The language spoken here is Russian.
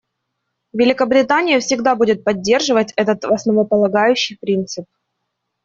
Великобритания всегда будет поддерживать этот основополагающий принцип.